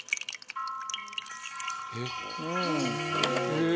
へえ！